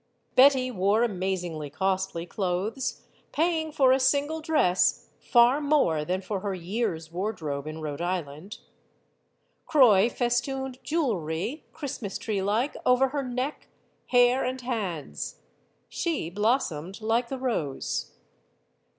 Betty wore amazingly costly clothes, paying for a MADAME JUMEL 93 single dress far more than for her year's wardrobe in Rhode Island. Croix festooned jewelry, Christmas tree like, over her neck, hair, and hands. She blos somed like the rose.